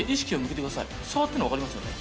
触ってるの分かりますよね？